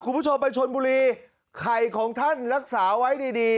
คุณผู้ชมไปชนบุรีไข่ของท่านรักษาไว้ดีดี